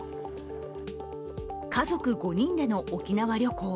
家族５人で沖縄旅行。